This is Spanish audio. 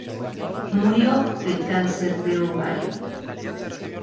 Murió de cáncer de ovario.